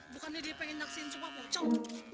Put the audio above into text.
bukan nih dia pengen nyaksiin sumpah pocong